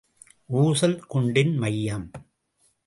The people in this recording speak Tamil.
ஊசல் குண்டின் மையம்.